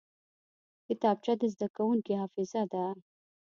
کتابچه د زده کوونکي حافظه ده